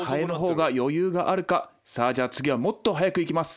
さあじゃあ次はもっと速くいきます」。